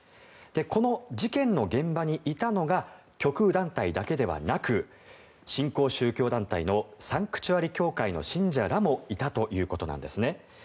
この事件の現場にいたのが極右団体だけではなく新興宗教団体のサンクチュアリ教会の信者らもいたということなんです。